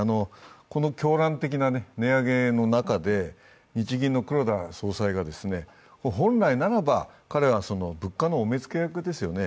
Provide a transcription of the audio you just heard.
この狂乱的な値上げの中で、日銀の黒田総裁が本来ならば、彼は物価のお目付役ですよね。